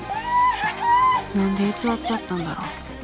何で偽っちゃったんだろう。